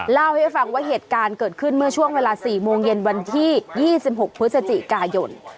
เล่าให้ฟังว่าเหตุการณ์เกิดขึ้นเมื่อช่วงเวลา๔โมงเย็นวันที่๒๖พฤศจิกายน